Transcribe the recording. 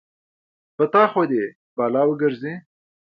په تا خو دې يې بلا وګرځې.